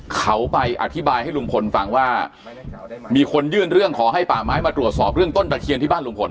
เขาไปอธิบายให้ลุงพลฟังว่ามีคนยื่นเรื่องขอให้ป่าไม้มาตรวจสอบเรื่องต้นตะเคียนที่บ้านลุงพล